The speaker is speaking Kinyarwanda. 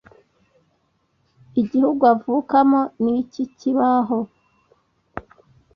igihugu avukamo nikikibaho.